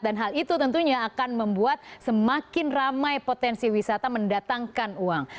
dan hal itu tentunya akan membuat semakin ramai potensi wisata mendatangkan uang